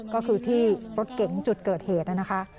ก็คือที่รถเก๋งจุดเกิดเหตุนะคะ